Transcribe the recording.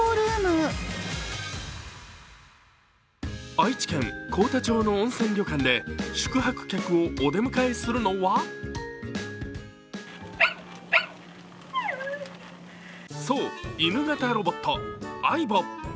愛知県幸田町の温泉旅館で宿泊客をお出迎えするのはそう、犬型ロボット、ａｉｂｏ。